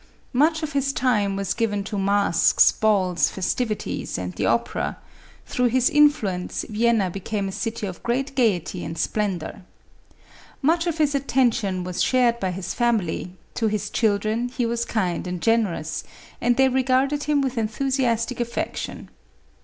Much of his time was given to masks, balls, festivities, and the opera; through his influence, Vienna became a city of great gayety and splendor. Much of his attention was shared by his family ; to his children he was kind and generous, and they regarded him with enthusiastic affection.